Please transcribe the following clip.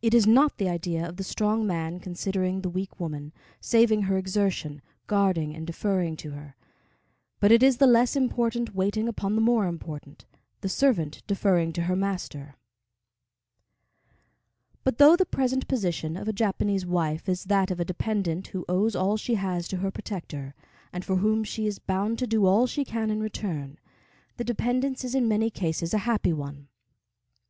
It is not the idea of the strong man considering the weak woman, saving her exertion, guarding and deferring to her; but it is the less important waiting upon the more important, the servant deferring to her master. But though the present position of a Japanese wife is that of a dependent who owes all she has to her protector, and for whom she is bound to do all she can in return, the dependence is in many cases a happy one.